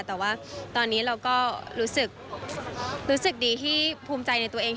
แต่ว่าตอนนี้เราก็รู้สึกดีที่ภูมิใจในตัวเอง